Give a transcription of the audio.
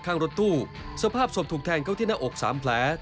โดนแทงตรงไหนหรอครับ